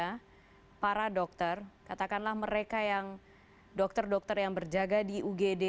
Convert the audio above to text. sekarang kepada kolega anda para dokter katakanlah mereka yang dokter dokter yang berjaga di ugd